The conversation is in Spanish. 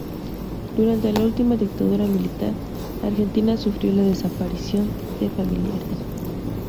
Durante la última Dictadura Militar argentina sufrió la desaparición de familiares.